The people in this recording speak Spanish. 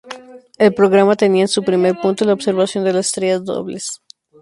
El programa tenía en su primer punto la observación de las estrellas dobles.